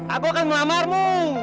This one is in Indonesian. aku akan ngelamar mu